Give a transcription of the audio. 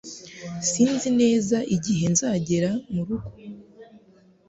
Sinzi neza igihe nzagera murugo